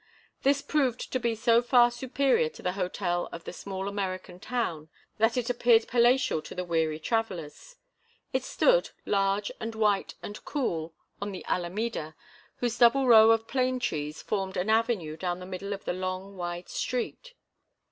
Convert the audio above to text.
This proved to be so far superior to the hotel of the small American town that it appeared palatial to the weary travellers. It stood, large and white and cool, on the Alameda, whose double row of plane trees formed an avenue down the middle of the long, wide street.